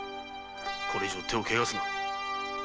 これ以上手を汚すな！